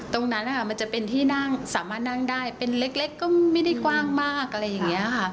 ตรงนั้นมันจะเป็นที่นั่งสามารถนั่งได้เป็นเล็กก็ไม่ได้กว้างมากอะไรอย่างนี้ค่ะ